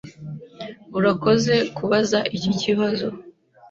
Urakoze kubaza iki kibazo.